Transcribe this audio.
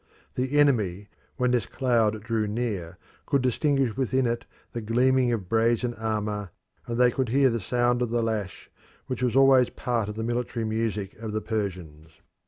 The enemy, when this cloud drew near, could distinguish within it the gleaming of brazen armour, and they could hear the sound of the lash, which was always part of the military music of the Persians.